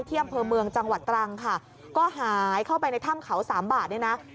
อำเภอเมืองจังหวัดตรังค่ะก็หายเข้าไปในถ้ำเขาสามบาทเนี่ยนะ